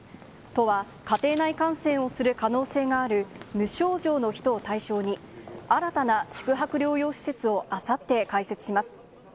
都は、家庭内感染をする可能性がある無症状の人を対象に、新たな宿泊療養施設をあさって開設します。